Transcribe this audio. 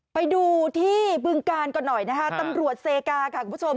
ไปดูที่บึงกาลก่อนหน่อยนะคะตำรวจเซกาค่ะคุณผู้ชม